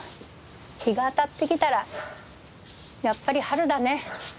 日が当たってきたらやっぱり春だね。